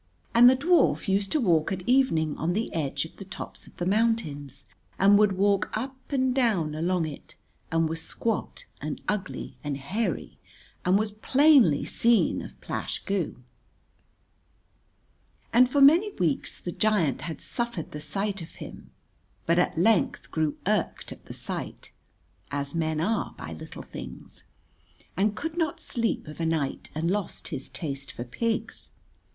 And the dwarf used to walk at evening on the edge of the tops of the mountains, and would walk up and down along it, and was squat and ugly and hairy, and was plainly seen of Plash Goo. And for many weeks the giant had suffered the sight of him, but at length grew irked at the sight (as men are by little things), and could not sleep of a night and lost his taste for pigs.